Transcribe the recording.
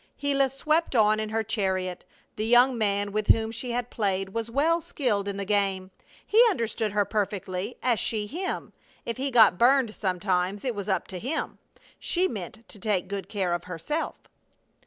Gila swept on in her chariot. The young man with whom she had played was well skilled in the game. He understood her perfectly, as she him. If he got burned sometimes it was "up to him." She meant to take good care of herself.